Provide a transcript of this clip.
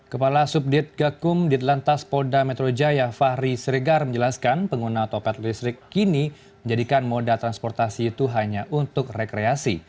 kepala subdit gakum ditlantas polda metro jaya fahri seregar menjelaskan pengguna otopet listrik kini menjadikan moda transportasi itu hanya untuk rekreasi